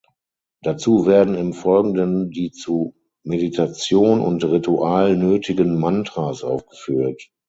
Dazu werden im Folgenden die zu Meditation und Ritual nötigen mantras aufgeführt.